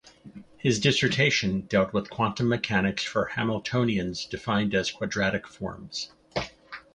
His dissertation dealt with "Quantum mechanics for Hamiltonians defined as quadratic forms".